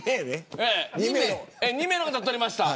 ２名の方に取りました。